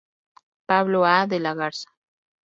Pablo A. de la Garza.